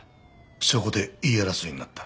そこで言い争いになった？